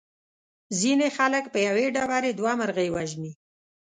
ځینې خلک په یوې ډبرې دوه مرغۍ وژني.